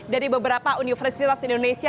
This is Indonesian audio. dari beberapa universitas indonesia